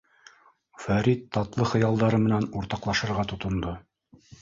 — Фәрит татлы хыялдары менән уртаҡлашырға тотондо.